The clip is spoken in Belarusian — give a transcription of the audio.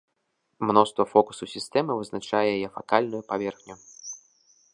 Мноства фокусаў сістэмы вызначае яе факальную паверхню.